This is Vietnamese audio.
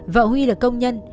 vợ huy là công nhân